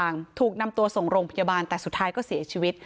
ถูกนำตัวส่งโรงพยาบาลแต่สุดท้ายก็เสียชีวิต